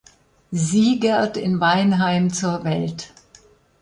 Siegert in Weinheim zur Welt.